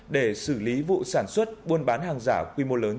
để xử lý vụ sản xuất buôn bán hàng giả quy mô lớn